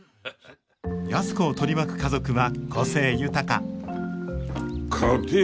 安子を取り巻く家族は個性豊かかてえ